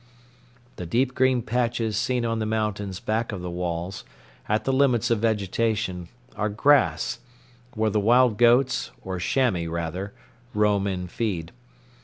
The deep green patches seen on the mountains back of the walls at the limits of vegetation are grass, where the wild goats, or chamois rather, roam and feed.